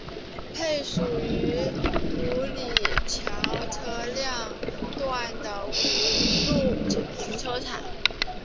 配属于五里桥车辆段和五路停车场。